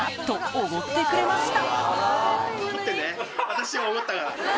おごってくれました。